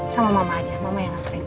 sama mama aja mama yang antri